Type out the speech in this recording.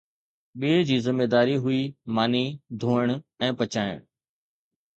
ٻئي جي ذميداري هئي ماني ڌوئڻ ۽ پچائڻ